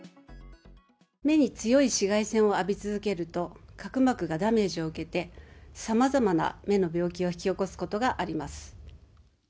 目に強い紫外線を浴び続けると、角膜がダメージを受けて、さまざまな目の病気を引き起こすことがあります。